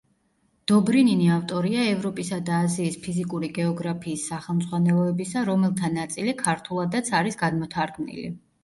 დობრინინი ავტორია ევროპისა და აზიის ფიზიკური გეოგრაფიის სახელმძღვანელოებისა, რომელთა ნაწილი ქართულადაც არის გადმოთარგმნილი.